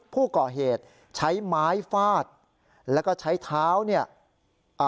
ผู้ก่อเหตุใช้ไม้ฟาดแล้วก็ใช้เท้า